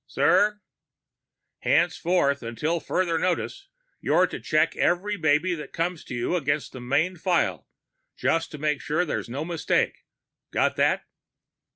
"Sir?" "Henceforth, until further notice, you're to check each baby that comes to you against the main file, just to make sure there's been no mistake. Got that?"